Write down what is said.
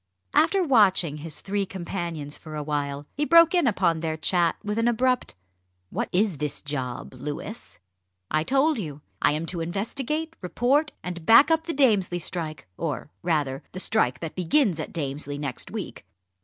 After watching his three companions for a while, he broke in upon their chat with an abrupt "What is this job, Louis?" "I told you. I am to investigate, report, and back up the Damesley strike, or rather the strike that begins at Damesley next week."